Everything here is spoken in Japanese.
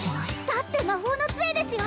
だって魔法の杖ですよ